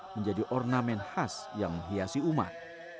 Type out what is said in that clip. menjadi ornamen khas yang menghiasi umat